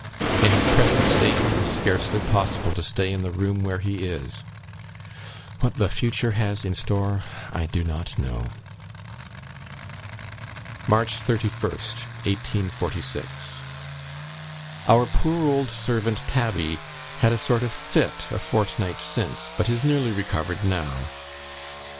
In his present state it is scarcely possible to stay in the room where he is. What the future has in store I do not know." "March 31st, 1846. "Our poor old servant Tabby had a sort of fit, a fortnight since, but is nearly recovered now.